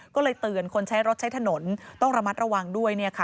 ก็เลยเตือนคนใช้รถใช้ถนนต้องระมัดระวังด้วย